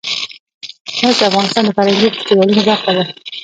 مس د افغانستان د فرهنګي فستیوالونو برخه ده.